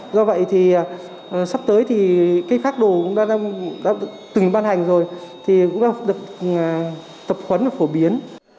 do vậy thì sắp tới phát đồ đã từng ban hành rồi thì cũng được tập khuấn và phổ biến